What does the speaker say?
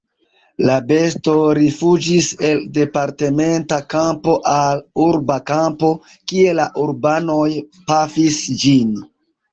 La besto rifuĝis el departementa kampo al urba kampo, kie la urbanoj pafis ĝin.